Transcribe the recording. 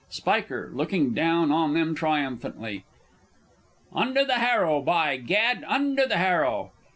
_ Sp. (looking down on them triumphantly). Under the Harrow, by Gad! Under the Harrow!